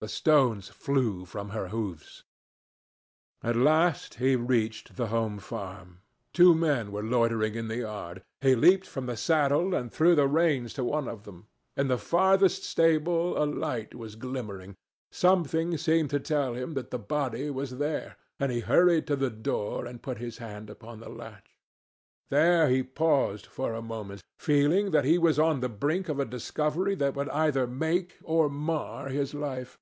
The stones flew from her hoofs. At last he reached the Home Farm. Two men were loitering in the yard. He leaped from the saddle and threw the reins to one of them. In the farthest stable a light was glimmering. Something seemed to tell him that the body was there, and he hurried to the door and put his hand upon the latch. There he paused for a moment, feeling that he was on the brink of a discovery that would either make or mar his life.